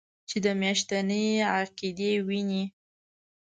چې د میاشتنۍ قاعدې وینې